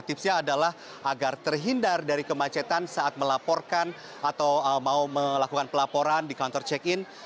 tipsnya adalah agar terhindar dari kemacetan saat melaporkan atau mau melakukan pelaporan di kantor check in